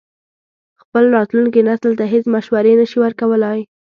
خپل راتلونکي نسل ته هېڅ مشورې نه شي ورکولای.